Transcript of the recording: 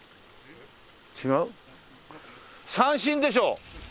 違う？三線でしょ？